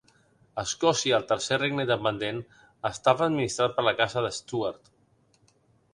Escòcia, el tercer regne independent, estava administrat per la Casa de Stuart.